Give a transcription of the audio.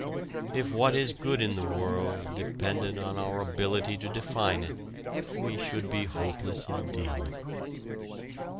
If what is good in the world depended on our ability to define it we should be hopeless indeed.